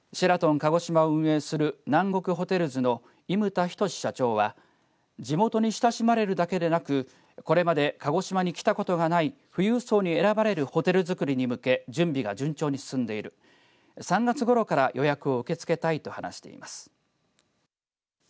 鹿児島を運営する南国ホテルズの伊牟田均社長は地元に親しまれるだけでなくこれまで鹿児島に来たことがない富裕層を選ばれるホテルづくりに向け準備が順調に進んでいる３月ごろから予約を受け付けたいと話しています。